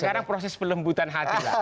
sekarang proses pelembutan hati lah